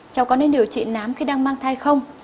cháu có nên điều trị nám khi đang mang thai không